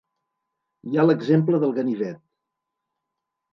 Hi ha l’exemple del ganivet.